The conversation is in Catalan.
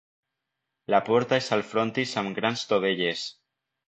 La porta és al frontis amb grans dovelles.